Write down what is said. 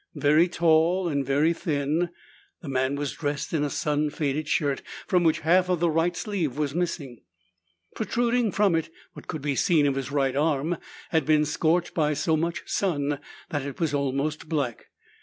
Very tall and very thin, the man was dressed in a sun faded shirt from which half of the right sleeve was missing. Protruding from it, what could be seen of his right arm had been scorched by so much sun that it was almost black.